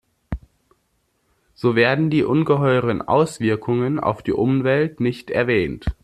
So werden die ungeheuren Auswirkungen auf die Umwelt nicht erwähnt.